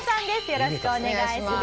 よろしくお願いします。